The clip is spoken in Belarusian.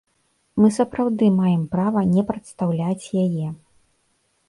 Мы сапраўды маем права не прадстаўляць яе.